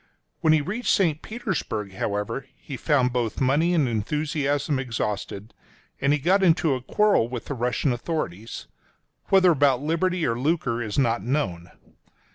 When he reached St. Petersburg, however, he found both money and enthusiasm exhausted, and he got into a quarrel with the Russian authorities — whether about liberty or lucre is not known.